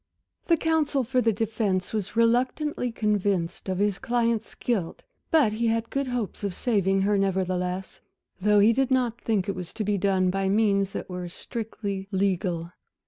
The counsel for the defence was reluctantly convinced of his client's guilt, but he had good hopes of saving her nevertheless, though he did not think it was to be done by means that were strictly legal.